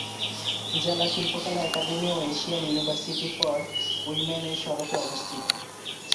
জেলা শিল্পকলা একাডেমি ও এশিয়ান ইউনিভার্সিটি ফর উইমেন এ সড়কে অবস্থিত।